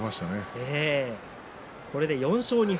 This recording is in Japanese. これで４勝２敗